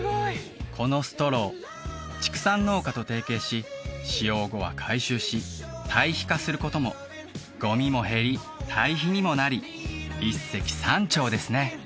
このストロー畜産農家と提携し使用後は回収し堆肥化することもゴミも減り堆肥にもなり一石三鳥ですね